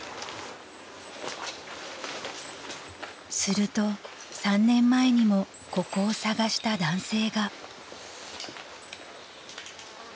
［すると３年前にもここを捜した男性が］